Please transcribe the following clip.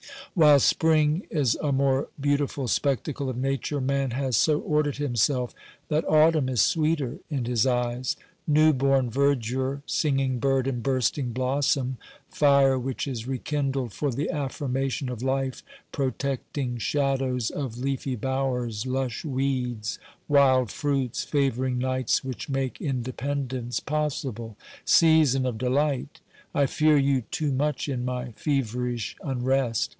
While spring is a more beautiful spectacle of Nature, man has so ordered himself that autumn is sweeter in his eyes. New born verdure, singing bird and bursting blossom, fire which is rekindled for the affirmation of life, protecting shadows of leafy bowers, lush weeds, wild fruits, favouring nights which make independence pos sible ! Season of delight ! I fear you too much in my feverish unrest.